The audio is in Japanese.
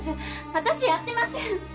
私やってません！